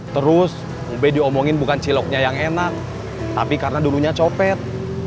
terus b diomongin bukan ciloknya yang enak tapi karena dulunya copet